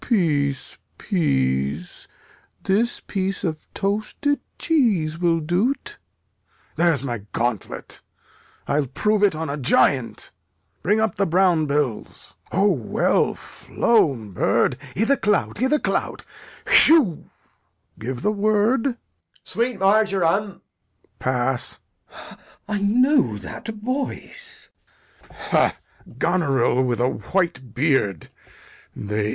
Peace, peace; this piece of toasted cheese will do't. There's my gauntlet; I'll prove it on a giant. Bring up the brown bills. O, well flown, bird! i' th' clout, i' th' clout! Hewgh! Give the word. Edg. Sweet marjoram. Lear. Pass. Glou. I know that voice. Lear. Ha! Goneril with a white beard?